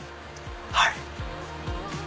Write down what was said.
はい。